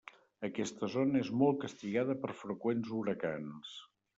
Aquesta zona és molt castigada per freqüents huracans.